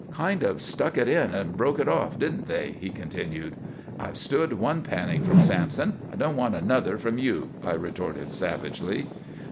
"Kind of stuck it in and broke it off, didn't they?" he continued. "I've stood one panning from Sampson; I don't want another from you," I retorted savagely.